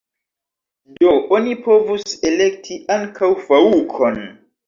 Do oni povus elekti ankaŭ faŭkon.